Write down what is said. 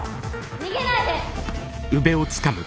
・逃げないで！